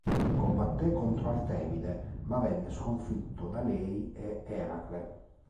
Combatté contro Artemide, ma venne sconfitto da lei e Eracle.